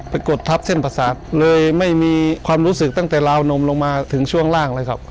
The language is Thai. กดทับเส้นประสาทเลยไม่มีความรู้สึกตั้งแต่ราวนมลงมาถึงช่วงล่างเลยครับ